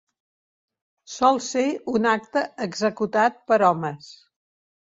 Sol ser un acte executat per homes.